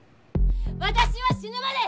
私は死ぬまで！